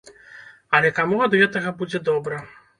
Але каму ад гэтага будзе добра?